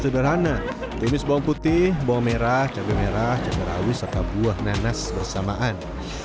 sederhana timis bawang putih bawang merah cabai merah cabai rawi serta buah nanas bersamaan